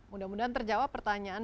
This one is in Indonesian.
mudah mudahan terjawab pertanyaan